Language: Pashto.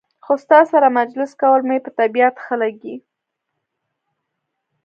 خو ستا سره مجلس کول مې په طبیعت ښه لګي.